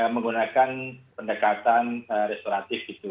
menggunakan pendekatan restoratif gitu